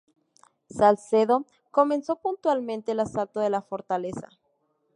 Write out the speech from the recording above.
Salcedo comenzó puntualmente el asalto de la fortaleza.